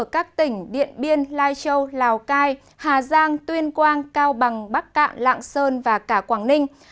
các tỉnh điện biên lai châu lào cai hà giang tuyên quang cao bằng bắc cạn lạng sơn và cả quảng ninh